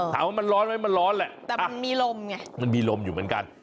ถามว่ามันร้อยไหมมันร้อนเลยมันมีลมอยู่เหมือนกัน